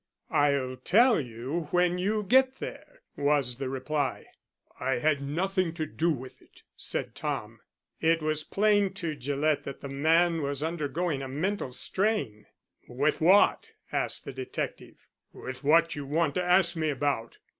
"I'll tell you when you get there," was the reply. "I had nothing to do with it," said Tom. It was plain to Gillett that the man was undergoing a mental strain. "With what?" asked the detective. "With what you want to ask me about."